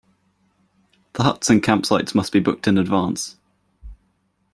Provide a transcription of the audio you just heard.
The huts and campsites must be booked in advance.